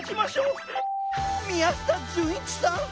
宮下純一さん！？